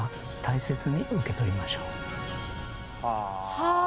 はあ。